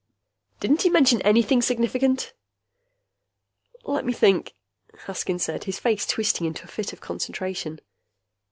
"Didn't he mention anything significant?" "Let me think!" Haskins said, his face twisting into a fit of concentration.